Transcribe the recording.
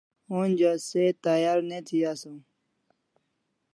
Onja se tayar ne thi asaw